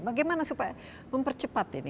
bagaimana supaya mempercepat ini